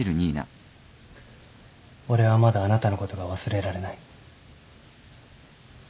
俺はまだあなたのことが忘れられない。